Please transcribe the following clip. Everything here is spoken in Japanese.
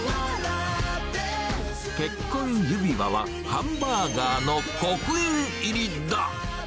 結婚指輪は、ハンバーガーの刻印入りだ。